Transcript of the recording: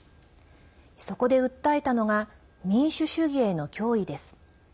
そこで訴えたのが民主主義への脅威です。